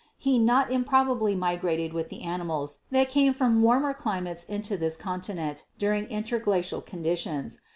He not improbably migrated with the animals that came from warmer climates into this continent during interglacial conditions.